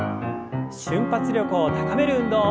瞬発力を高める運動。